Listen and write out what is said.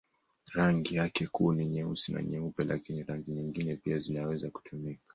Rangi yake kuu ni nyeusi na nyeupe, lakini rangi nyingine pia zinaweza kutumika.